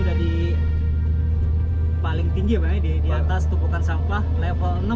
kita ini sudah di paling tinggi di atas tumpukan sampah level enam ya